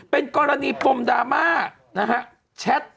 เป็นกรณีปมดราม่านะครับ